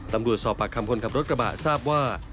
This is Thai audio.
ตำรวจสอบปากคำคนขับรถกระบะทราบว่า